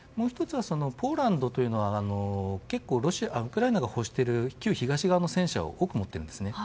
ポーランドというのはウクライナが欲している旧東側の戦車を多く持っているんです。